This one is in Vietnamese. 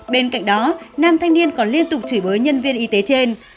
bên cạnh đó nam thanh niên còn liên tục chửi bới nhân viên y tế trên